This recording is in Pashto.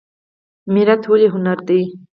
میریت ولې هنر دی؟